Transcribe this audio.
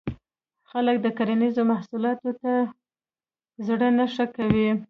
خلک د کرنیزو محصولاتو تولید ته زړه نه ښه کوي.